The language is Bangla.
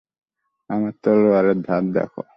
আমার তলোয়ারের ধার দেখ।